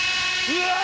うわ！